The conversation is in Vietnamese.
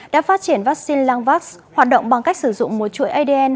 đã phát triển vaccine langvax hoạt động bằng cách sử dụng một chuỗi adn